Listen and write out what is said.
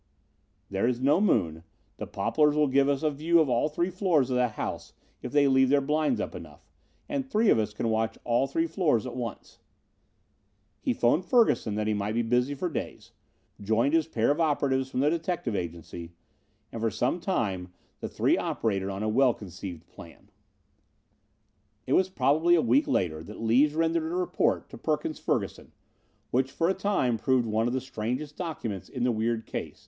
"There is no moon. The poplars will give us a view of all three floors of that house, if they leave their blinds up enough, and three of us can watch all three floors at once." He phoned Ferguson that he might be busy for days, joined his pair of operatives from the detective agency and for some time the three operated on a well conceived plan. It was probably a week later that Lees rendered a report to Perkins Ferguson, which for a time proved one of the strangest documents in the weird case.